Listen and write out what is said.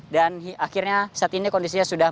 dan akhirnya saat ini kondisinya sudah